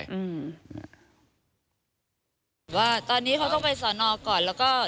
ว่าตอนนี้เขาต้องไปสอนอก่อน